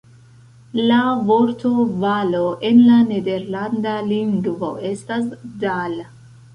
La vorto valo en la nederlanda lingvo estas "dal".